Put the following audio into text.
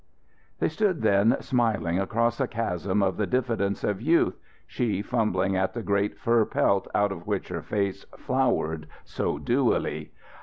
They stood then smiling across a chasm of the diffidence of youth, she fumbling at the great fur pelt out of which her face flowered so dewily.